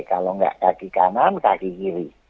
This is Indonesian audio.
kalau nggak kaki kanan kaki kiri